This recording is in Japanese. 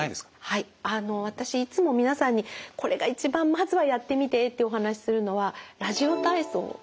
はいあの私いつも皆さんにこれが一番まずはやってみてってお話しするのはラジオ体操です。